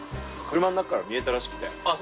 車の中から見えたらしくて。